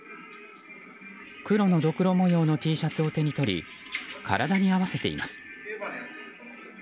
黒のどくろ模様のＴシャツを手に取り体に合わせています。